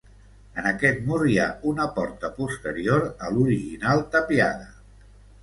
En aquest mur hi ha una porta posterior a l'original tapiada.